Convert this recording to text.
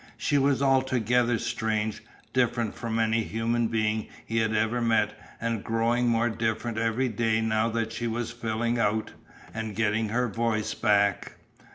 She was altogether strange, different from any human being he had ever met and growing more different every day now that she was "filling out," and getting her voice back.